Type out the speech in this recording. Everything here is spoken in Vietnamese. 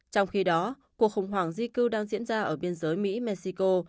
trong khi đó cuộc khủng hoảng di cư đang diễn ra ở biên giới mỹ mexico